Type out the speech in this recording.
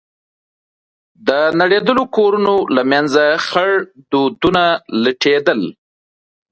د نړېدلو کورونو له منځه خړ دودونه لټېدل.